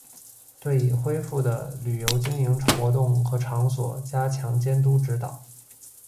对已恢复的旅游经营活动和场所加强监督指导